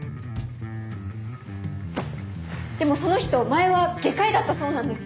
でもその人前は外科医だったそうなんです。